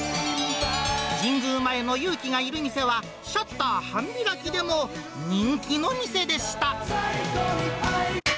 神宮前の勇気がいる店は、シャッター半開きでも人気の店でした。